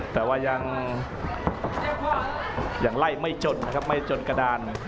แต่ว่ายังไล่ไม่จนนะครับไม่จนกระดาน